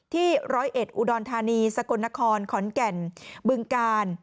ที่๑๐๑อุดรธานีสกลนครขอนแก่นบึงกาล